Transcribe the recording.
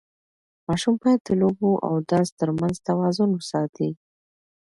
ماشوم باید د لوبو او درس ترمنځ توازن وساتي.